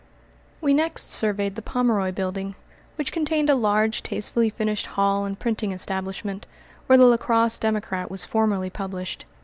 We next surveyed the Pomeroy building, which contained a large, tastefully finished hall and printing establishment, where the La Crosse Democrat was formerly published.